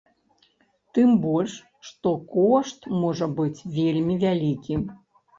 Тым больш, што кошт можа быць вельмі вялікі.